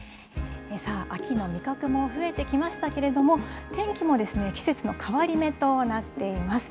さあ、秋の味覚も増えてきましたけれども、天気も季節の変わり目となっています。